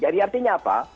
jadi artinya apa